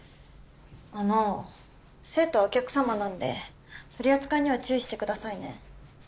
あの生徒はお客様なんで取り扱いには注意してくださいね。